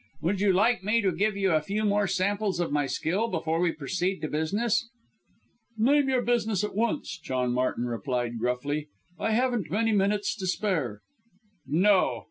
Would you like me to give you a few more samples of my skill, before we proceed to business?" "Name your business at once," John Martin replied gruffly; "I haven't many minutes to spare." "No!"